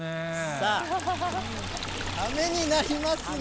さあ、ためになりますね。